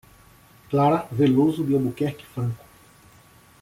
Clara Veloso de Albuquerque Franco